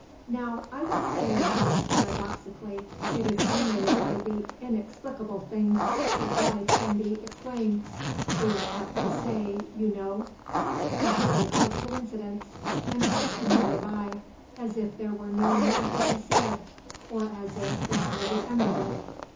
"Now, I was saying that, paradoxically, it is only by the inexplicable things that life can be explained. We are apt to say, you know, 'a very odd coincidence' and pass the matter by, as if there were no more to be said, or as if that were the end of it.